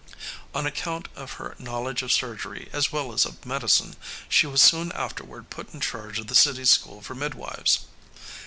On account of her knowledge of surgery, as well as of medicine, she was soon afterward put in charge of the city's school for midwives.